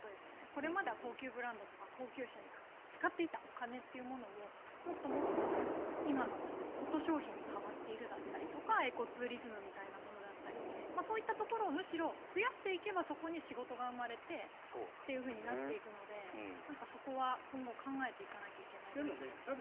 これまでは高級ブランドとか高級車に使っていたお金というものをもっと今のコト消費に変わっているだったりエコツーリズムみたいなものだったりそういうところをむしろ増やしていけばそこに仕事が生まれてっていうふうになっていくのでそこは今後考えていかなきゃいけないということですよね。